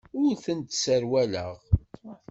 Ur tent-sserwaleɣ.